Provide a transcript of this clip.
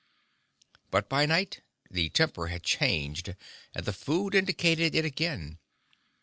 But by night, the temper had changed and the food indicated it again.